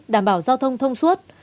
đảm bảo giao thông thông suốt